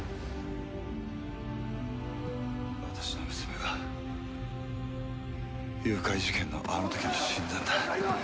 私の娘は誘拐事件のあの時に死んだんだ。